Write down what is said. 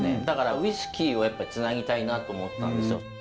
だからウイスキーをやっぱりつなぎたいなと思ったんですよ。